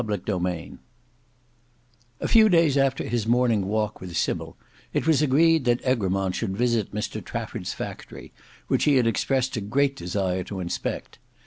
Book 3 Chapter 8 A few days after his morning walk with Sybil, it was agreed that Egremont should visit Mr Trafford's factory, which he had expressed a great desire to inspect.